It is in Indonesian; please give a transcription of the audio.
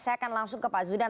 saya akan langsung ke pak zudan